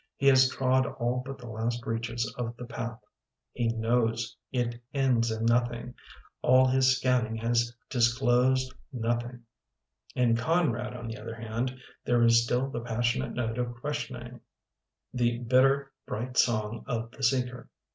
He has trod all but the last reaches of the path. He knows it ends in nothing. All his scanning has disclosed nothing. In Conrad, on the other hand, there is still the passionate note of question ing, the bitter bright song of the seeker.